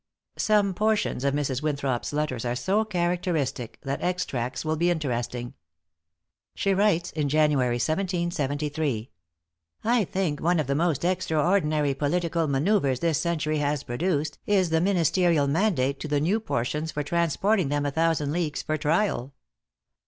Some portions of Mrs. Winthrop's letters are so characteristic, that extracts will be interesting. She writes, in Jan. 1773, "I think one of the most extraordinary political manouvres this century has produced, is the ministerial mandate to the Newportians for transporting them a thousand leagues for trial.